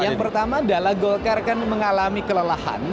yang pertama adalah golkar kan mengalami kelelahan